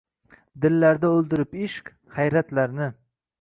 Dillarda oʻldirib ishq, hayratlarni